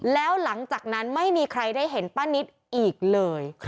แล้วหลังจากนั้นไม่มีใครได้เห็นป้านิตอีกเลย